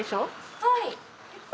はい。